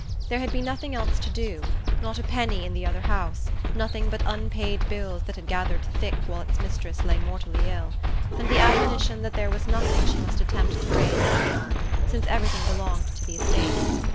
There had been nothing else to do not a penny in the other house, nothing but unpaid bills that had gathered thick while its mistress lay mortally ill, and the admonition that there was nothing she must attempt to raise money on, since everything belonged to the "estate."